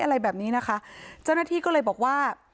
อะไรแบบนี้นะคะเจ้าหน้าที่ก็เลยบอกว่า